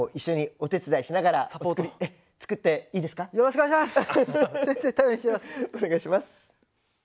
お願いします。